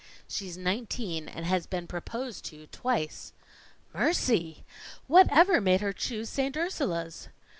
"She's nineteen, and has been proposed to twice." "Mercy! Whatever made her choose St. Ursula's?"